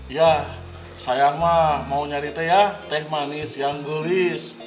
ya sayanglah mau nyari teh ya teh manis yang gulis